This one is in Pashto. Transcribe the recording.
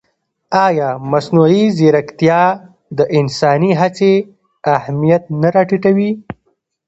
ایا مصنوعي ځیرکتیا د انساني هڅې اهمیت نه راټیټوي؟